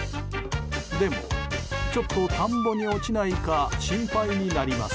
でも、ちょっと田んぼに落ちないか心配になります。